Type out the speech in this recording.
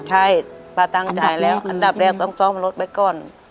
ใช่ป้าตังค์จ่ายแล้วอันดับแรกต้องซ่อมรถไว้ก่อน